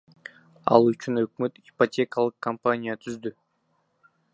Ал үчүн өкмөт ипотекалык компания түздү.